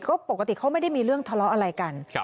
ก็ปกติเขาไม่ได้มีเรื่องทะเลาะอะไรกัน